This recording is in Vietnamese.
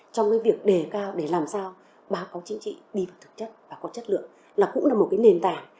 trong cái việc đề cao để làm sao báo cáo chính trị đi vào thực chất và có chất lượng là cũng là một cái nền tảng